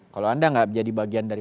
kalau anda enggak jadi bagian dari